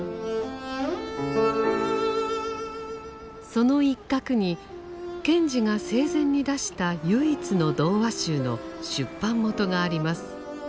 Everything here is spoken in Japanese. その一角に賢治が生前に出した唯一の童話集の出版元があります。